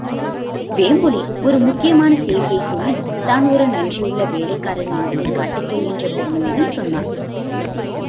வேம்புலி ஒரு முக்கியமான சேதியைச் சொல்லி, தான் ஒரு நன்றியுள்ள வேலைக்காரன் என்பதைக் காட்டிக் கொள்கின்ற பெருமையுடன் சொன்னான்.